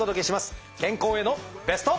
健康へのベスト。